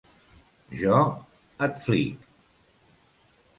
Jo et flic!